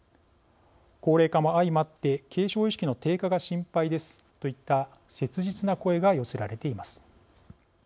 「高齢化も相まって継承意識の低下が心配です」といった切実な声が寄せられています。